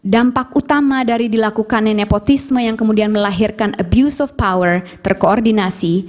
dampak utama dari dilakukannya nepotisme yang kemudian melahirkan abuse of power terkoordinasi